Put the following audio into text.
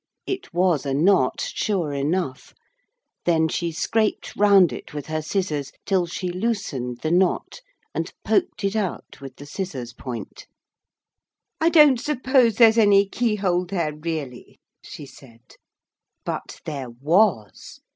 It was a knot, sure enough. Then she scraped round it with her scissors, till she loosened the knot, and poked it out with the scissors point. 'I don't suppose there's any keyhole there really,' she said. But there was.